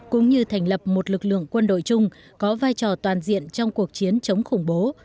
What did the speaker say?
cũng như thành lập một lực lượng quân đội chung có vai trò toàn diện trong cuộc chiến chống khủng bố